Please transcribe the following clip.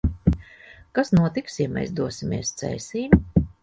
Kas notiks, ja mēs dosimies Cēsīm?